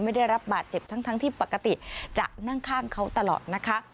ได้รับบาดเจ็บทั้งที่ปกติจะนั่งข้างเขาตลอดนะคะ